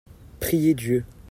Prier Dieu.